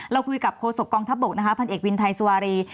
เราพูดกับโคศกกองทัพบกพันเอกวินไทยสวรี